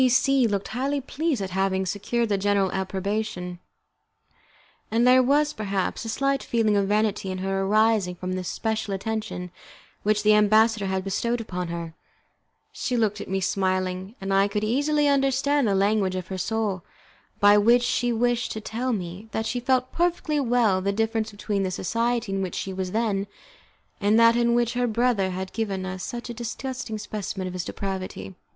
C C looked highly pleased at having secured the general approbation, and there was, perhaps, a slight feeling of vanity in her arising from the special attention which the ambassador had bestowed on her. She looked at me, smiling, and I could easily understand the language of her soul, by which she wished to tell me that she felt perfectly well the difference between the society in which she was then, and that in which her brother had given us such a disgusting specimen of his depravity.